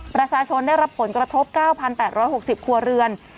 ประชาชนได้รับผลกระทบ๙๘๖๐ครัวเรือน